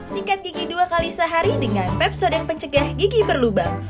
sikat gigi dua kali sehari dengan pepsode yang pencegah gigi berlubang